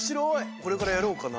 これからやろうかな。